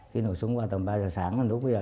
khi nổ súng qua tầm ba giờ sáng là lúc bây giờ